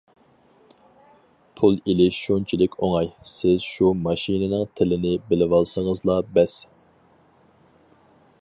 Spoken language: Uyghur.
پۇل ئېلىش شۇنچىلىك ئوڭاي، سىز شۇ ماشىنىنىڭ تىلىنى بىلىۋالسىڭىزلا بەس!